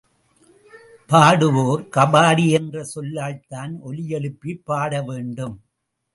பாடுவோர் கபாடி என்ற சொல்லால்தான் ஒலியெழுப்பிப் பாட வேண்டும்.